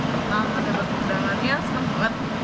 tentang ada undangannya seneng banget